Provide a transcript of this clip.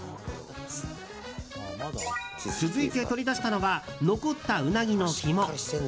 続いて取り出したのは残ったウナギの肝。